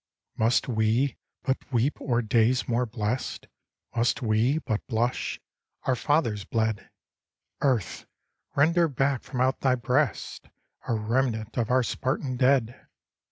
Must we but weep o'er days more blest ? Must we but blush ?— Our fathers bled. Earth! render back from out thy breast A remnant of our Spartan dead